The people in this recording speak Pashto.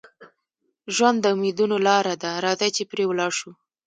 ژوند د امیدونو لاره ده، راځئ چې پرې ولاړ شو.